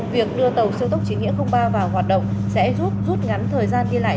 việc đưa tàu siêu tốc chính nghĩa ba vào hoạt động sẽ giúp rút ngắn thời gian đi lại